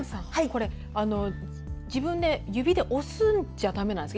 自分で指で押すんじゃだめなんですか。